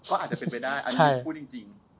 ก็อาจจะเป็นไปได้อันนี้พูดจริง